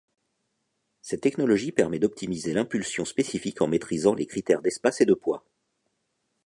Cette technologie permet d'optimiser l'impulsion spécifique en maîtrisant les critères d'espace et de poids.